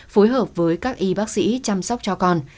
phối hợp với các y bác sĩ chăm sóc cho con